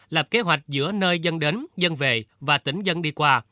lập kế hoạch giữa nơi dân đến dân về và tỉnh dân đi qua